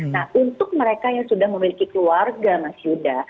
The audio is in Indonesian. nah untuk mereka yang sudah memiliki keluarga mas yuda